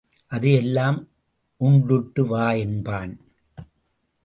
அது எல்லாம் உண்டிட்டு வா என்பான்.